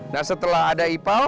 nah setelah ada ipal